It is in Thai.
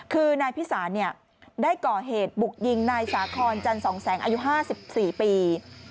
คือนายพิสารได้ก่อเหตุบุกยิงนายสาคอนจันสองแสงอายุ๕๔ปี